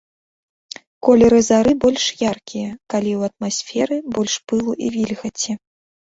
Колеры зары больш яркія, калі ў атмасферы больш пылу і вільгаці.